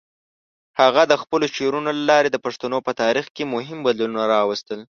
هغه د خپلو شعرونو له لارې د پښتنو په تاریخ کې مهم بدلونونه راوستل.